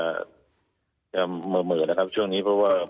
ค่อยจะเหมือนเพราะว่า